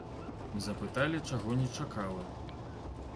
Запыталі, чаго не чакала.